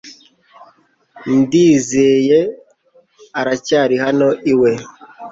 Ndizeye aracyari hano iwe